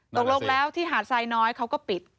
ตกลงแล้วที่หาดทรายน้อยเขาก็ปิด